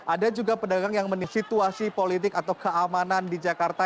ada juga pedagang yang menilai situasi politik atau keamanan di jakarta